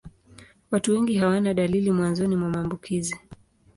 Watu wengi hawana dalili mwanzoni mwa maambukizi.